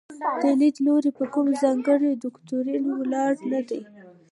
دا لیدلوری په کوم ځانګړي دوکتورین ولاړ نه دی.